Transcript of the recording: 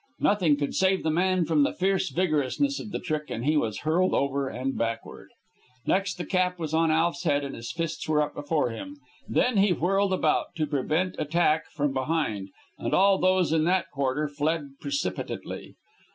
Nothing could save the man from the fierce vigorousness of the trick, and he was hurled over and backward. Next, the cap was on Alf's head and his fists were up before him. Then he whirled about to prevent attack from behind, and all those in that quarter fled precipitately.